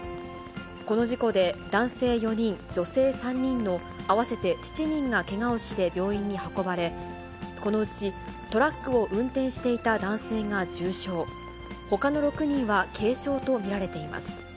この事故で、男性４人、女性３人の合わせて７人がけがをして病院に運ばれ、このうちトラックを運転していた男性が重傷、ほかの６人は軽傷と見られています。